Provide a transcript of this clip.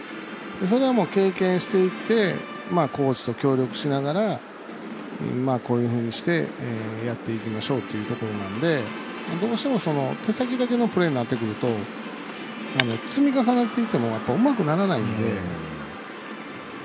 それは経験していってコーチと協力しながら今はこういうふうにしてやっていきましょうってところなんでどうしても手先だけのプレーになってくると積み重なっていってもうまくならないんで。